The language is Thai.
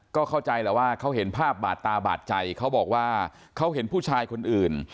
ก็เข้าใจแหละว่าเขาเห็นภาพบาดตาบาดใจเขาบอกว่าเขาเห็นผู้ชายคนอื่น